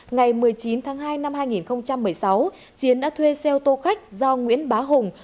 ngày một mươi chín tháng hai năm hai nghìn một mươi sáu chiến đã thuê xe ô tô khách do nguyễn bá hùng